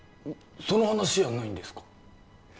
その話やないんですか？